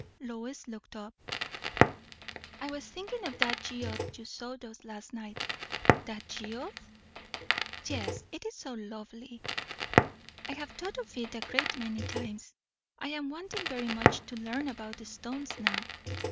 Lois looked up. "I was thinking of that geode you showed us last night." "That geode!" "Yes, it is so lovely. I have thought of it a great many times. I am wanting very much to learn about stones now.